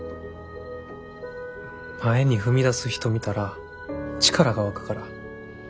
前に踏み出す人見たら力が湧くから。